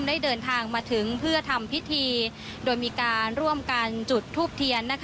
ได้เดินทางมาถึงเพื่อทำพิธีโดยมีการร่วมกันจุดทูบเทียน